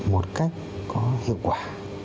một cách có hiệu quả